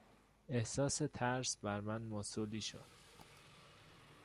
احساس ترس بر من مستولی شد.